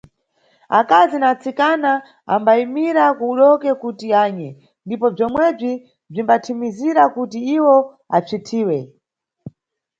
Akazi na atsikana ambayimira kudoke kuti anye, ndipo bzomwebzi bzimbathimizira kuti iwo asvithiwe.